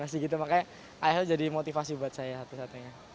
masih gitu makanya ayah itu jadi motivasi buat saya satu satunya